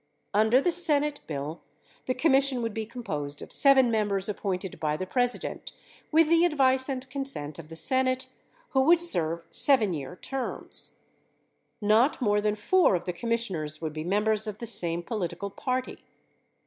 Under the Senate bill, the Commission would be composed of seven members appointed by the President with the advice and consent of the Senafe who would serve 7 year terms. Not more than four of the commissioners would be members of the same political party.